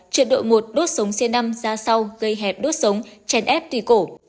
trượt đội một đốt sống c năm ra sau gây hẹp đốt sống chèn ép tùy cổ